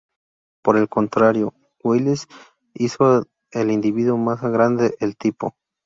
Por el contrario Welles hizo del individuo más grande el tipo.